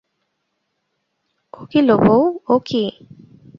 ও কী লো বৌ, ও কী?